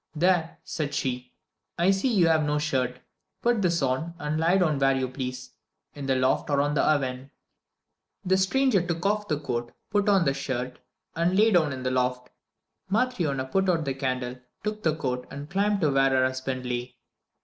"There," said she, "I see you have no shirt. Put this on, and lie down where you please, in the loft or on the oven." The stranger took off the coat, put on the shirt, and lay down in the loft. Matryona put out the candle, took the coat, and climbed to where her husband lay.